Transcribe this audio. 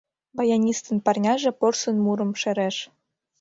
Баянистын парняже порсын мурым шереш.